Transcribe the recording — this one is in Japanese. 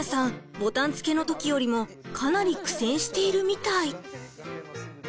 ボタン付けの時よりもかなり苦戦しているみたい。